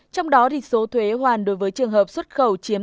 trong đó số thuế hoàn đối với trường hợp xuất khẩu chiếm tám mươi bảy ba mươi năm